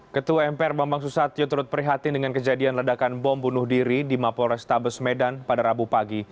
ketua mpr bambang susatyo turut prihatin dengan kejadian ledakan bom bunuh diri di mapol restabes medan pada rabu pagi